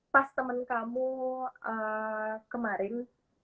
pas temen kamu kemarin